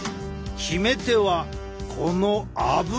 決め手はこの油！